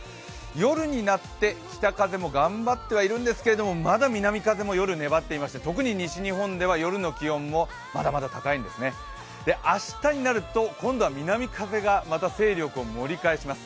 夜になって北風も頑張ってはいるんですけど、まだ南風も夜、粘っていまして特に西日本では夜の気温もまだまだ高いんです明日になると今度は南風がまた勢力を盛り返します。